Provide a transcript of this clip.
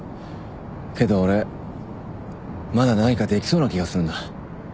けど俺まだ何かできそうな気がするんだ。